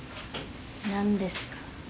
何ですか？